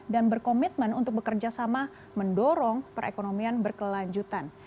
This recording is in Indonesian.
dan berkomitmen untuk bekerjasama mendorong perekonomian berkelanjutan